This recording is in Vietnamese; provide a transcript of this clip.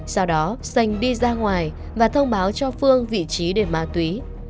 sau đó xanh đi ra ngoài và thông báo cho phương vị trí để ma túy